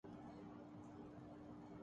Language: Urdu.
تو نیب کی کیا ضرورت تھی؟